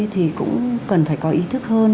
thì cũng cần phải có ý thức hơn